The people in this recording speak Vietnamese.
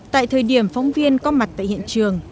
tại thời điểm phóng viên có mặt tại hiện trường